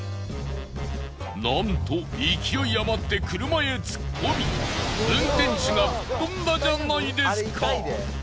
なんと勢いあまって車へ突っ込み運転手が吹っ飛んだじゃないですか。